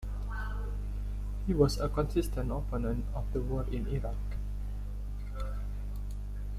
He was a consistent opponent of the war in Iraq.